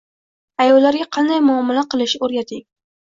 Ayollarga qanday muomala qilish o'rgating.